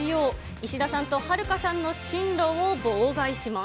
石田さんとはるかさんの進路を妨害します。